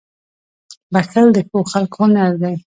• بښل د ښو خلکو هنر دی.